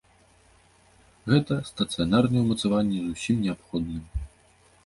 Гэта стацыянарныя ўмацаванні з усім неабходным.